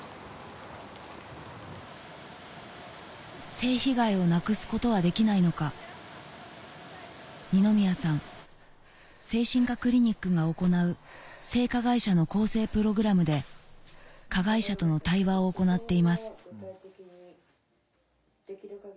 性被害をなくすことはできないのかにのみやさん精神科クリニックが行う性加害者の更生プログラムで加害者との対話を行っています